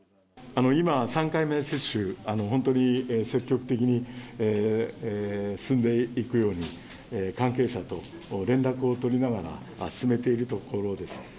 今、３回目接種、本当に積極的に進んでいくように、関係者と連絡を取りながら進めているところです。